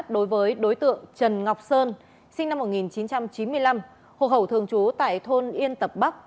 đối với đối tượng trần ngọc sơn sinh năm một nghìn chín trăm chín mươi năm hồ hậu thường trú tại thôn yên tập bắc